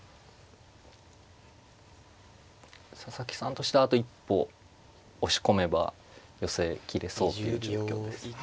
佐々木さんとしてはあと一歩押し込めば寄せきれそうっていう状況です。